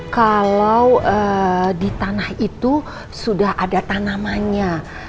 kalau di tanah itu sudah ada tanamannya